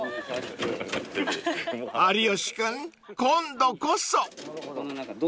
［有吉君今度こそ］